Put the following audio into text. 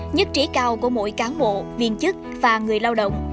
nhất trí cao của mỗi cán bộ viên chức và người lao động